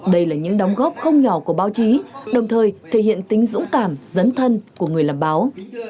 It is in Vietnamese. đây là những đóng góp không nhỏ của báo chí đồng thời thể hiện tính dũng cảm dấn thân của người làm báo